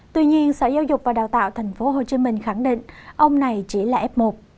tuy nhiên sở giáo dục và đào tạo tp hcm khẳng định ông này chỉ là f một